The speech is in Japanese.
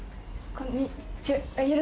こんにちは